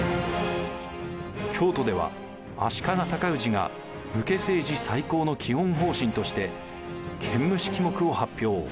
京都では足利尊氏が武家政治再興の基本方針として建武式目を発表。